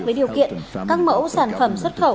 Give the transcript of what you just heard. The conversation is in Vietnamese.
với điều kiện các mẫu sản phẩm xuất khẩu